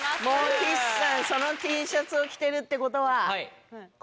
岸さんそのＴシャツを着てるってことは。